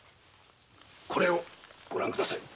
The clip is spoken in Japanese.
これをご覧ください。